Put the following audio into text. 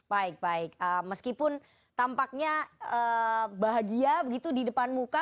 baik baik meskipun tampaknya bahagia begitu di depan muka